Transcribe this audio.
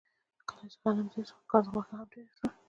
کله چې غنم زیات شو، د ښکار غوښه هم ډېره شوه.